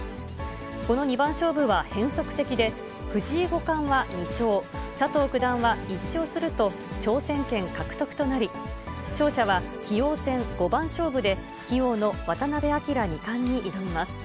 この二番勝負は変則的で、藤井五冠は２勝、佐藤九段は１勝すると、挑戦権獲得となり、勝者は棋王戦五番勝負で、棋王の渡辺明二冠に挑みます。